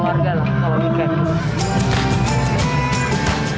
pokoknya asik untuk lingkung sama keluarga